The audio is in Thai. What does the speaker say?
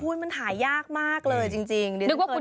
คุณมันถ่ายยากมากเลยจริง